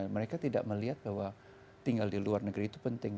mereka tidak melihat bahwa tinggal di luar negeri itu penting